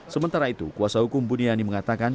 sementara itu kuasa hukum buniani mengatakan